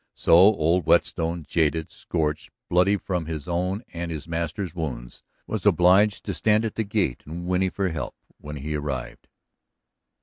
So old Whetstone, jaded, scorched, bloody from his own and his master's wounds, was obliged to stand at the gate and whinny for help when he arrived.